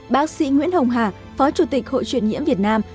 bác sĩ nguyễn hồng hà phó chủ tịch hội truyền nhiễm việt nam